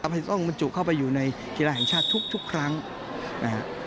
ฝั่งมันจุดเข้าไปอยู่ในกีฬาแห่งชาติทุกครั้งนะครับ